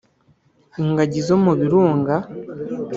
ingagi zo mu birunga